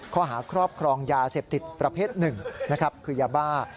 ข้อหาครอบครองยาเสพติดประเภทหนึ่งนะครับคือยาบ้า